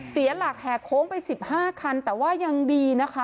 เสียหลักแห่โค้งไป๑๕คันแต่ว่ายังดีนะคะ